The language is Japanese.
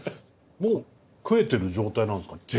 もう食えてる状態なんすか？